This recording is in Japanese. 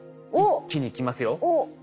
一気にきますよ。